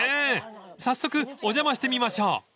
［早速お邪魔してみましょう］